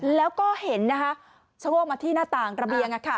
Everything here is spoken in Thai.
แล้วก็เห็นชะโงกมาที่หน้าต่างระเบียง